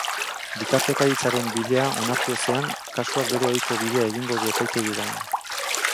Bitartekaritzaren bidea onartu ezean, kasuak bere ohiko bidea egingo du epaitegietan.